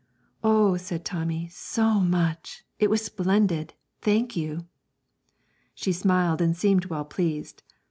'Oh,' said Tommy, 'so much; it was splendid, thank you!' She smiled and seemed well pleased.